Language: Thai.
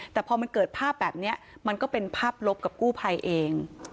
แต่พอมันเกิดภาพแบบนี้มันก็เป็นภาพลบกับกู้ภัยเอง